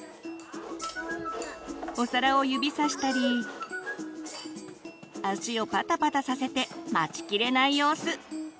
お皿を指さしたり足をパタパタさせて待ちきれない様子！